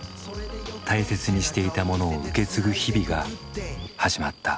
大切にしていたものを受け継ぐ日々が始まった。